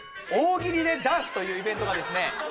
大喜利ＤＥダンス！というイベントがですね